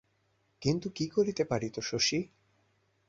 কিন্তু কী করিতে পারিত শশী?